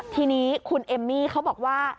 ทีนี้คุณเอมมี่เขาบอกว่า